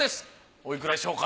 おいくらでしょうか？